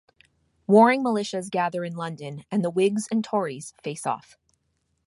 Warring militias gather in London and the Whigs and Tories face off.